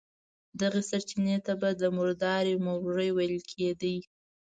دغې سرچينې ته به د مردارۍ موږی ويل کېدی.